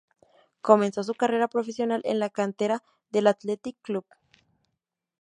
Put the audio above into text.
Comenzó su carrera profesional en la cantera del Athletic Club.